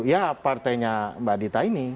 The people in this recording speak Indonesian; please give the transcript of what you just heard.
ya partainya mbak dita ini